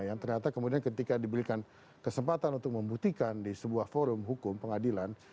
yang ternyata kemudian ketika diberikan kesempatan untuk membuktikan di sebuah forum hukum pengadilan